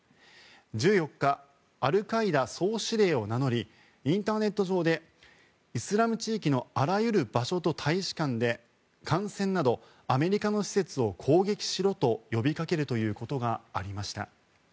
１４日アルカイダ総司令を名乗りインターネット上でイスラム地域のあらゆる場所と大使館で艦船などアメリカの施設を攻撃しろと呼びかけるということがありました。